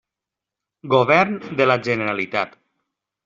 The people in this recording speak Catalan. Govern de la Generalitat.